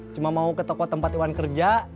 cuma mau ke toko tempat iwan kerja